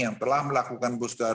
yang telah melakukan booster